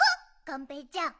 がんぺーちゃん。